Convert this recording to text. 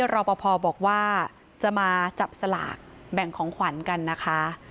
รอปภบอกว่าจะมาจับสลากแบ่งของขวัญกันนะคะ